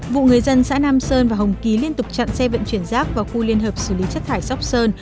vụ người dân xã nam sơn và hồng ký liên tục chặn xe vận chuyển rác vào khu liên hợp xử lý chất thải sóc sơn